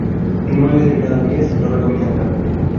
Nueve de cada diez lo recomiendan.